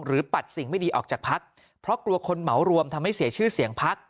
ปัดสิ่งไม่ดีออกจากพักเพราะกลัวคนเหมารวมทำให้เสียชื่อเสียงพัก